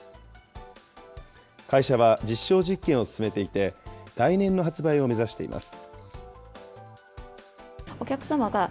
会社は実証実験を進めていて、来年の発売を目指しています。